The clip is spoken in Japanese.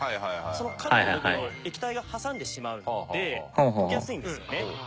その角の部分を液体が挟んでしまうので解けやすいんですよね。